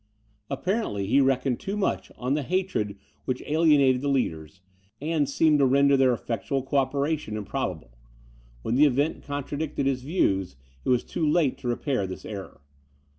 Apparently he reckoned too much on the hatred which alienated the leaders, and seemed to render their effectual co operation improbable; when the event contradicted his views, it was too late to repair his error.